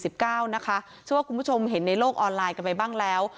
เชื่อว่าคุณผู้ชมเห็นในโลกออนไลน์กันไปบ้างแล้ว